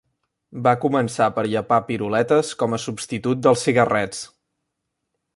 Va començar per llepar piruletes com a substitut dels cigarrets.